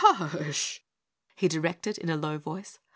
"Hush!" he directed in a low voice.